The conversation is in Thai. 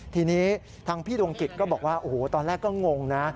ทีนี้ทางพี่ดวงกิจก็บอกว่าโอ้โหตอนแรกก็งงนะ